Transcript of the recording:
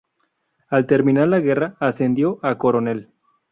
Al terminar la guerra ascendió a coronel.